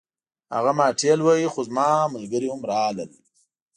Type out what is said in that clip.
هغه ما ټېل واهه خو زما ملګري هم راغلل